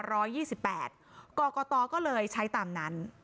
กรกตก็เลยใช้ตามนั้น